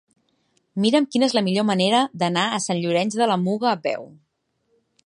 Mira'm quina és la millor manera d'anar a Sant Llorenç de la Muga a peu.